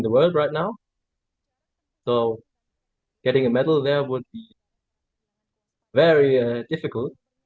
tapi siapa tahu